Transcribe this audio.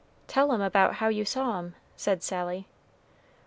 "Tell 'em about how you saw 'em," said Sally.